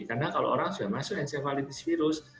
karena kalau orang sudah masuk encephalitis virus